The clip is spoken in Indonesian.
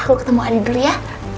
aku ketemu adik dulu ya